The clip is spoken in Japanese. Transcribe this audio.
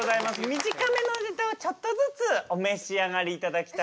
短めのネタをちょっとずつお召し上がりいただきたいので。